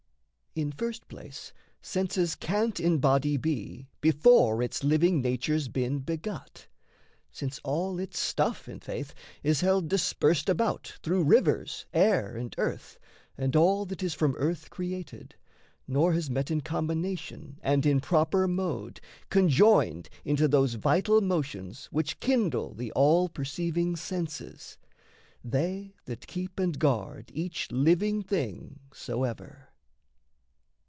In first place, senses can't in body be Before its living nature's been begot, Since all its stuff, in faith, is held dispersed About through rivers, air, and earth, and all That is from earth created, nor has met In combination, and, in proper mode, Conjoined into those vital motions which Kindle the all perceiving senses they That keep and guard each living thing soever.